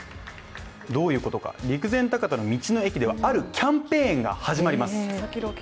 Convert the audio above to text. どういうことか、陸前高田の道の駅ではあるキャンペーンが始まります。